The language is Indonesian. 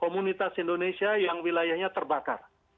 komunitas indonesia yang wilayahnya terbakar